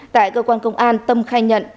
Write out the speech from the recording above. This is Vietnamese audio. tại cơ quan công an tâm khai nhận